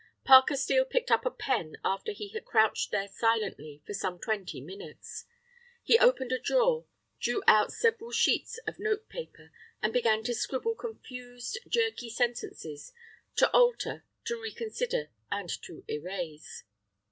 Parker Steel picked up a pen after he had crouched there silently for some twenty minutes. He opened a drawer, drew out several sheets of note paper, and began to scribble confused, jerky sentences, to alter, to reconsider, and to erase.